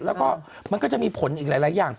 แล้วก็มันก็จะมีผลอีกหลายอย่าง